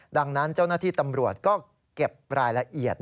ดังนั้นเจ้าหน้าที่ตำรวจก็เก็บรายละเอียด